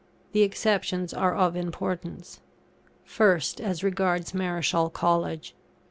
The exceptions are of importance. First, as regards Marischal College.